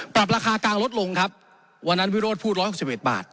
ปรับราคากลดลงครับวันนั้นวิโรธพูดร้อยหกสิบเอ็ดบาท